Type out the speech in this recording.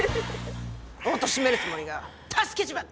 おとしめるつもりが助けちまった！